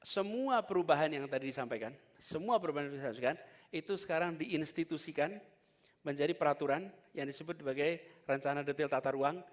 semua perubahan yang tadi disampaikan semua perubahan yang disampaikan itu sekarang diinstitusikan menjadi peraturan yang disebut sebagai rencana detail tata ruang